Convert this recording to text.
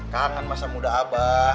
kangen masa muda abah